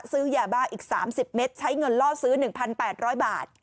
ซื้อยาบ้าอีก๓๐เม็ดใช้เงินล่อซื้อ๑๘๐๐บาท